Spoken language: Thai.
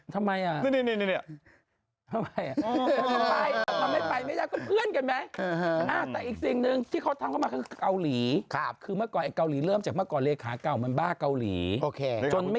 ทุกคนกำลังกลับไปนะคุณป้องนะ